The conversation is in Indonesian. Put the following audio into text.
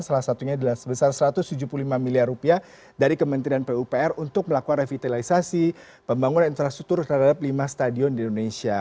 salah satunya adalah sebesar satu ratus tujuh puluh lima miliar rupiah dari kementerian pupr untuk melakukan revitalisasi pembangunan infrastruktur terhadap lima stadion di indonesia